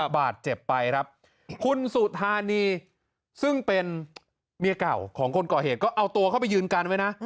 บาดเจ็บไปครับคุณสุธานีซึ่งเป็นเมียเก่าของคนก่อเหตุก็เอาตัวเข้าไปยืนกันไว้นะ